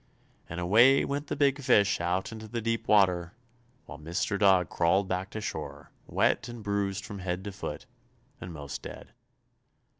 And away went the big fish out into deep water, while Mr. Dog crawled back to shore, wet and bruised from head to foot, and most dead.